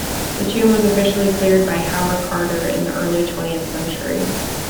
The tomb was officially cleared by Howard Carter in the early twentieth century.